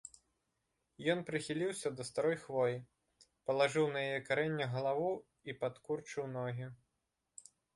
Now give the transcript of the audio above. Ён прыхіліўся да старой хвоі, палажыў на яе карэннях галаву і падкурчыў ногі.